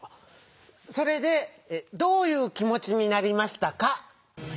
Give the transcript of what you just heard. それでどういう気もちになりましたか？